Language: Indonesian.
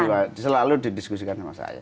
selalu juga selalu didiskusikan sama saya